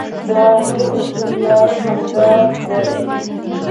د هغې استدلال همدا دی